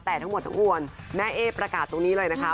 แต่ทั้งหมดทั้งมวลแม่เอ๊ประกาศตรงนี้เลยนะคะ